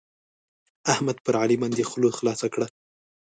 احمد پر علي باندې خوله خلاصه کړه.